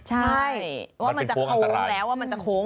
ใช่ว่ามันจะโค้งแล้วว่ามันจะโค้ง